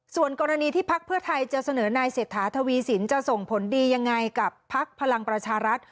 ส่วนกรณีที่ภักษ์เพื่อไทยจะเสนอในเสตถาธวีสินจะส่งผลดีอย่างไรกับภัคษ์พลังประชารัฐ